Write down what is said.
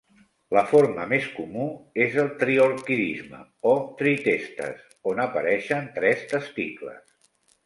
La forma més comú és el triorquidisme, o tritestes, on apareixen tres testicles.